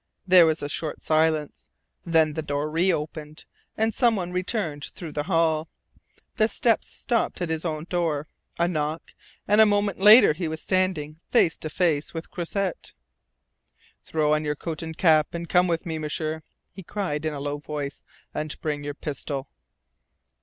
There was a short silence. Then the door reopened, and some one returned through the hall. The steps stopped at his own door a knock and a moment later he was standing face to face with Croisset. "Throw on your coat and cap and come with me, M'sieur," he cried in a low voice. "And bring your pistol!"